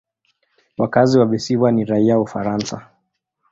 Wakazi wa visiwa ni raia wa Ufaransa.